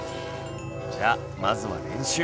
じゃあまずは練習！